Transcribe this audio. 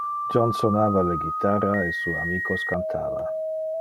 John sonava le gitarra e su amicos cantava.